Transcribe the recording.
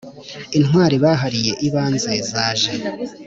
Intwari bahariye ibanze zaje